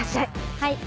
はい。